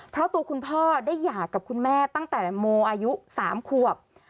เพราะตัวคุณพ่อได้หย่ากับคุณแม่ตั้งแต่โมอายุ๓ขวบ